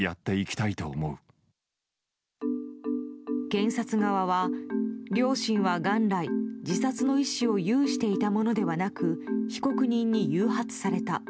検察側は両親は元来、自殺の意思を有していたものではなく被告人に誘発された。